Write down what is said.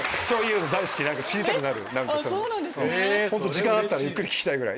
時間あったらゆっくり聞きたいくらい。